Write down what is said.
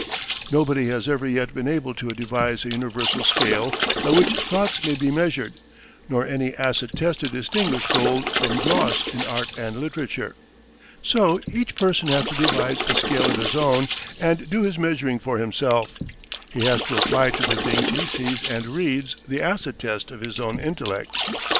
Nobody has ever yet been able to devise a universal scale by which thoughts may be measured, nor any acid test to distinguish gold from dross in art and literature. So each person has to devise a scale of his own and do his measuring for himself; he has to apply to the things he sees and reads the acid test of his own intellect.